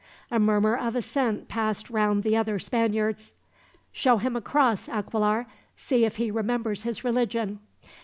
A murmur of assent passed round the other Spaniards. "Show him a cross, Aquilar. See if he remembers his religion."